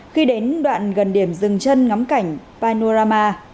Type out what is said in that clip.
khi đến đoạn gần điểm rừng chân ngắm cảnh panorama